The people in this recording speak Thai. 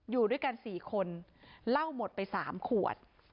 อยู่ด้วยกัน๔คนเหล้าหมดไป๓ขวด